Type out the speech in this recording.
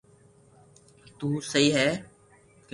تو سھي ڪي ھي